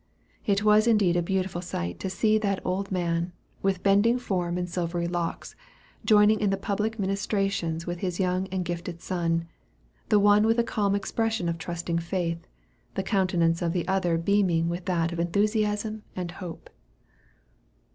It was indeed a beautiful sight to see that old man, with bending form and silvery locks, joining in the public ministrations with his young and gifted son the one with a calm expression of trusting faith; the countenance of the other beaming with that of enthusiasm and hope.